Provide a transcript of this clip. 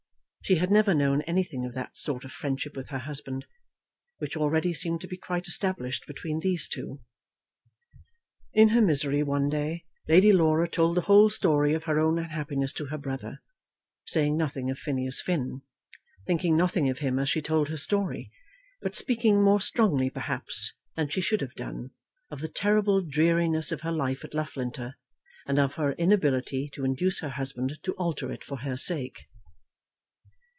She had never known anything of that sort of friendship with her husband which already seemed to be quite established between these two. In her misery one day Lady Laura told the whole story of her own unhappiness to her brother, saying nothing of Phineas Finn, thinking nothing of him as she told her story, but speaking more strongly perhaps than she should have done, of the terrible dreariness of her life at Loughlinter, and of her inability to induce her husband to alter it for her sake.